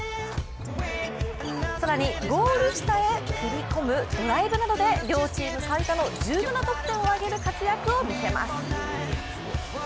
更にゴール下へ飛び込むドライブなどで両チーム最多の１７得点を挙げる活躍を見せます。